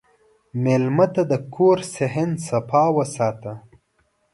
مېلمه ته د کور صحن صفا وساته.